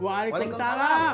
tati boleh ikut gak mbak